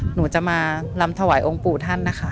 หนูจะมาลำถวายองค์ปู่ท่านนะคะ